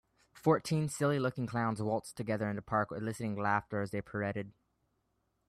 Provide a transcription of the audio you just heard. Fourteen silly looking clowns waltzed together in the park eliciting laughter as they pirouetted.